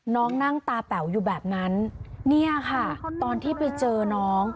น้องนั่งตาแป๋วอยู่แบบนั้นเนี่ยค่ะตอนที่ไปเจอน้อง